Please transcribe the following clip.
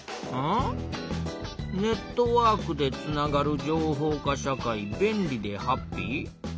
ん？「ネットワークでつながる情報化社会便利でハッピー！」。